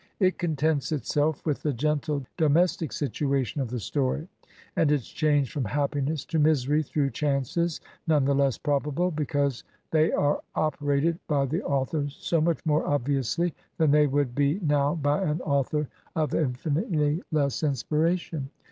It contents itsdf with the gentle domestic situation of the story and its change from happiness to misery through chances none the less probable because they are operated by the author so much more obviously than they would be now by an author of infinitely less inspiration.